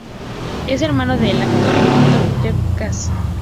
Es hermano del actor y director Jake Kasdan.